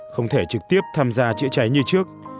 không thể trực tiếp tham gia chữa cháy như trước